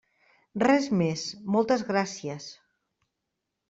Res més, moltes gràcies.